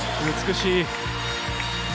美しい。